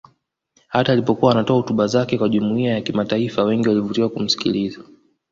Hata alipokuwa anatoa hotuba zake kwa Jumuiya Kimataifa wengi walivutwa kumsikiliza